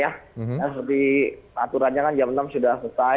ya seperti aturannya kan jam enam sudah selesai